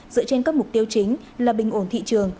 dựa trên các mục tiêu chính là bình ổn thị trường